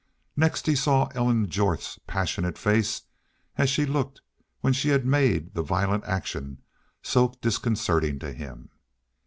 Next he saw Ellen Jorth's passionate face as she looked when she had made the violent action so disconcerting to him.